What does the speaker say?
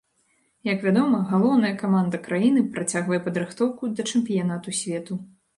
Як вядома, галоўная каманда краіны працягвае падрыхтоўку да чэмпіянату свету.